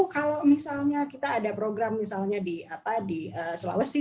kalau misalnya kita ada program misalnya di sulawesi